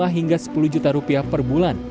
lima hingga sepuluh juta rupiah per bulan